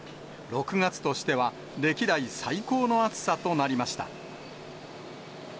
６月としては歴代最高の暑さとなりました。